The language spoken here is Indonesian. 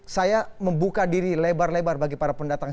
saya membuka diri lebar lebar bagi para pendatang